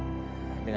dengan lo bersinar aja